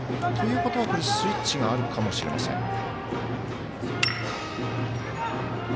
ということは、スイッチがあるかもしれません。